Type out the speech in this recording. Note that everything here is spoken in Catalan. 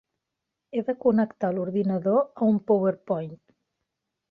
He de connectar l'ordinador a un power point